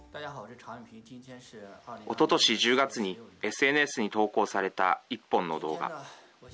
おととし１０月にＳＮＳに投稿された１本の動画。